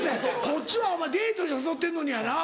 こっちはお前デートに誘ってんのにやな。